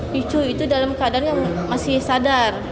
picu itu dalam keadaan yang masih sadar